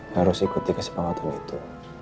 harus ikuti kesepakatan itu